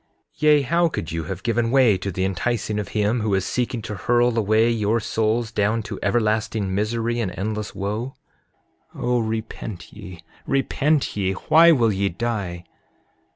7:16 Yea, how could you have given way to the enticing of him who is seeking to hurl away your souls down to everlasting misery and endless wo? 7:17 O repent ye, repent ye! Why will ye die?